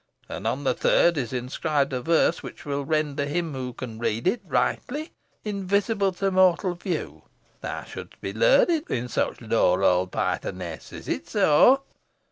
And on the third is inscribed a verse which will render him who can read it rightly, invisible to mortal view. Thou shouldst be learned in such lore, old Pythoness. Is it so?"